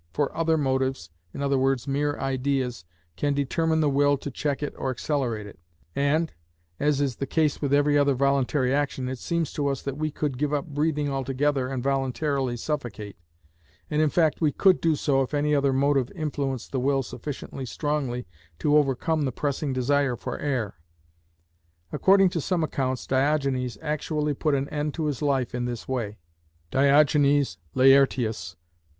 For other motives, i.e., mere ideas, can determine the will to check it or accelerate it, and, as is the case with every other voluntary action, it seems to us that we could give up breathing altogether and voluntarily suffocate. And in fact we could do so if any other motive influenced the will sufficiently strongly to overcome the pressing desire for air. According to some accounts Diogenes actually put an end to his life in this way (Diog. Laert. VI.